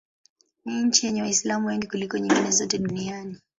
Ni nchi yenye Waislamu wengi kuliko nyingine zote duniani.